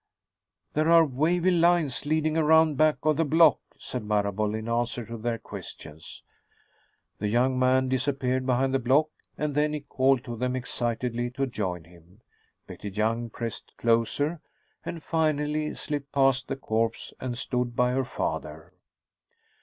"There are wavy lines leading around back of the block," said Marable, in answer to their questions. The young man disappeared behind the block, and then he called to them excitedly to join him. Betty Young pressed closer, and finally slipped past the corpse and stood by her father.